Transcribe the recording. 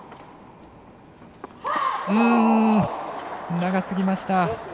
長すぎました。